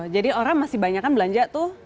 jadi orang masih banyak kan belanja tuh